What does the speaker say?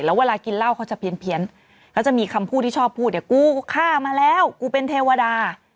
แล้วเวลากินเหล้าเขาจะเพี้ยนเขาจะมีคำพูดที่ชอบพูดเนี่ยกูฆ่ามาแล้วกูเป็นเทวดา